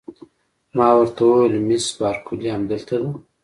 ما ورته وویل: مس بارکلي همدلته ده؟